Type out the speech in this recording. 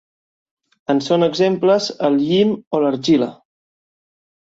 En són exemples el llim o l'argila.